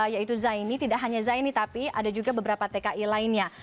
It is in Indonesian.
yaitu zaini tidak hanya zaini tapi ada juga beberapa tki lainnya